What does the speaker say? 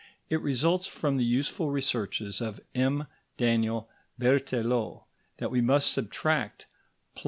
It results from the useful researches of M. Daniel Berthelot that we must subtract +0.